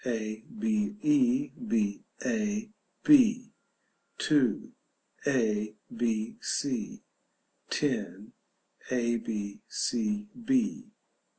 a. b. e. b. a. b. 2. a. b. c. 10. a. b. c.